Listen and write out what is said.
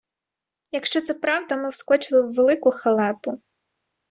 Якщо це правда, ми вскочили у велику халепу.